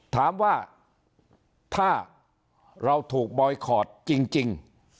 ถามว่าถ้าเราถูกบอยคอร์ดจริง